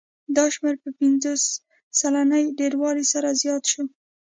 دا شمېر په پنځوس سلنې ډېروالي سره زیات شو